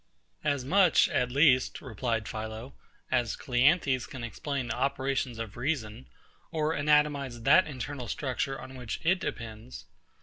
As much, at least, replied PHILO, as CLEANTHES can explain the operations of reason, or anatomise that internal structure on which it depends.